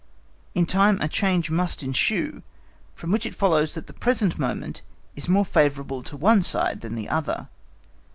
In time a change must ensue, from which it follows that the present moment is more favourable to one side than the other.